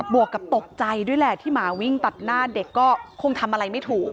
วกกับตกใจด้วยแหละที่หมาวิ่งตัดหน้าเด็กก็คงทำอะไรไม่ถูก